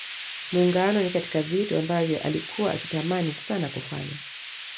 Muungano ni katika vitu ambavyo alikua akitamani sana kufanya